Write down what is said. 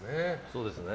そうですね。